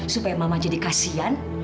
supaya mama jadi kasihan